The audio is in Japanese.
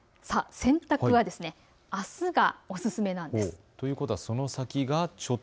洗濯はあすがおすすめなんです。